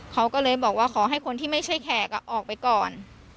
เขาก็เลยบอกว่าขอให้คนที่ไม่ใช่แขกออกไปก่อน